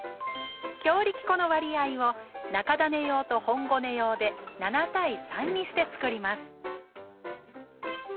強力粉の割合を中種用と本ごね用で７：３にしてつくります